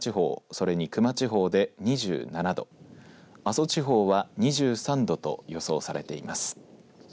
それに球磨地方で２７度阿蘇地方は２３度と予想されています。